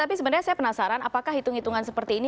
tapi sebenarnya saya penasaran apakah hitung hitungan seperti ini